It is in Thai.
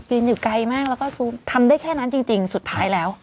อยู่ไกลมากแล้วก็ทำได้แค่นั้นจริงสุดท้ายแล้ว